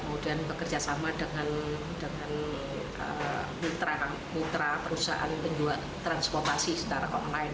kemudian bekerjasama dengan mitra perusahaan transportasi secara online